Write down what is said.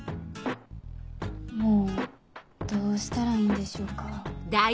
もうどうしたらいいんでしょうか。